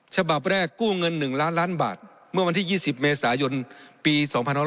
ฉบับแรกกู้เงิน๑ล้านล้านบาทเมื่อวันที่๒๐เมษายนปี๒๕๖๐